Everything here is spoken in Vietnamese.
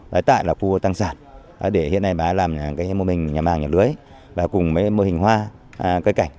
đấy tại là khu tăng sản để hiện nay bà ấy làm mô hình nhà màng nhà lưới và cùng mô hình hoa cây cảnh